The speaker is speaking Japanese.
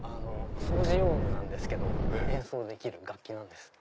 掃除用具なんですけど演奏できる楽器なんです。